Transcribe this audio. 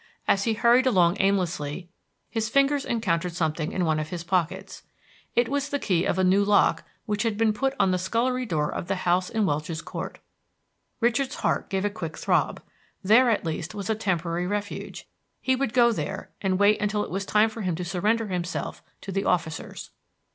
As he hurried along aimlessly his fingers encountered something in one of his pockets. It was the key of a new lock which had been put on the scullery door of the house in Welch's Court. Richard's heart gave a quick throb. There at least was a temporary refuge; he would go there and wait until it was time for him to surrender himself to the officers.